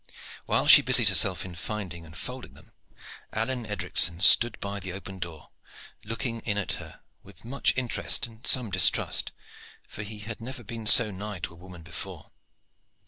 While she busied herself in finding and folding them, Alleyne Edricson stood by the open door looking in at her with much interest and some distrust, for he had never been so nigh to a woman before.